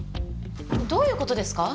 どういう事ですか？